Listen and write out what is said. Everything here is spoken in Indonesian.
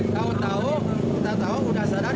tahun tahun tahun tahun sudah sedar